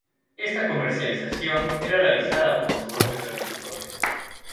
Esta comercialización era realizada por los propios agricultores.